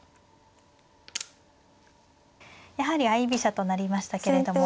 やはり相居飛車となりましたけれども。